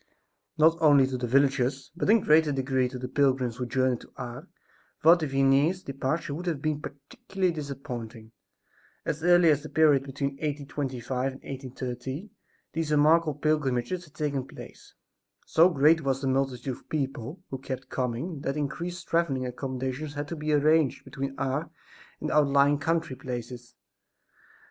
NOT only to the villagers, but in a greater degree to the pilgrims who journeyed to Ars, Father Vianney's departure would have been particularly disappointing. As early as the period between 1825 and 1830, these remarkable pilgrimages had taken place. So great was the multitude of people who kept coming that increased traveling accomodations had to be arranged between Ars and the outlying country places.